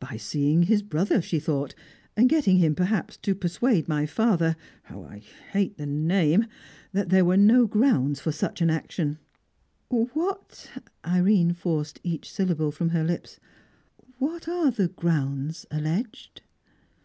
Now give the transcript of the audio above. "By seeing his brother, she thought, and getting him, perhaps, to persuade my father how I hate the name! that there were no grounds for such an action." "What" Irene forced each syllable from her lips "what are the grounds alleged?"